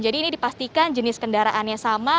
jadi ini dipastikan jenis kendaraannya sama